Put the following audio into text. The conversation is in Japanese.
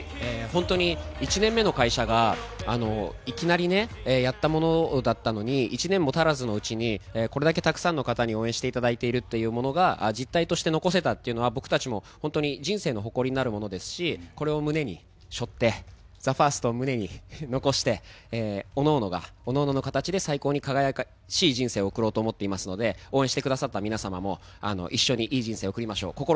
本当に、１年目の会社がいきなりね、やったものだったのに、１年も足らずのうちに、これだけたくさんの方に応援していただいているっていうものが実態として残せたっていうのは、僕たちも本当に、人生の誇りになるものですし、これを胸にしょって、ＴＨＥＦＩＲＳＴを残して、おのおのが各々の形で最高に輝かしい人生を送ろうと思っていますので、応援してくださった皆さんも、一緒にいい人生を送りましょう。